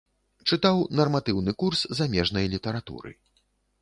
Чытаў нарматыўны курс замежнай літаратуры.